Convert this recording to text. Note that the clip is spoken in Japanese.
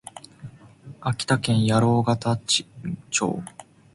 秋田県八郎潟町